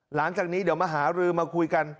หลังจากนี้เดี๋ยวมาหารือมาคุยกัน